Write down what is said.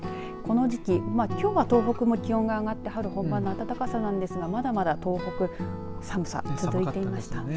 この時期、きょうは東北も気温が上がって春本番の暖かさなんですがまだまだ東北、寒さが続いていました。